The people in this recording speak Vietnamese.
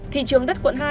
thị trường đất quận hai